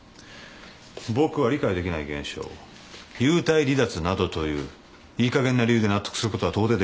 僕は理解できない現象を幽体離脱などといういいかげんな理由で納得することは到底できない。